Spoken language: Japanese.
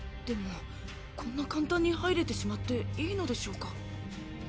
でもこんな簡単に入れてしまっていいのでしょうか。